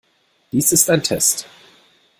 Dies ist ein Test.